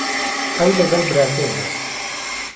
ئەو لەگەڵ براکەی هات.